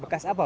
bekas apa pak